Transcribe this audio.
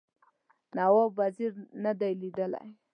نواب وزیر نه دی لیدلی.